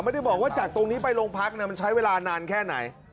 ไม่ได้บอกว่าจากตรงนี้ไปโรงพักมันใช้เวลานานแค่ไหน